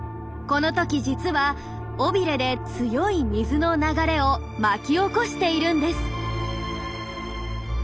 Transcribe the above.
この時実は尾ビレで強い水の流れを巻き起こしているんです。